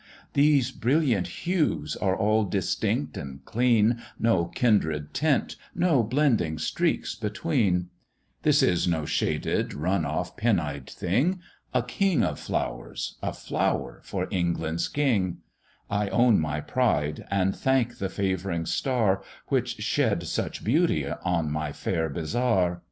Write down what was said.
These brilliant hues are all distinct and clean, No kindred tint, no blending streaks between: This is no shaded, run off, pin eyed thing; A king of flowers, a flower for England's king: I own my pride, and thank the favouring star Which shed such beauty on my fair Bizarre."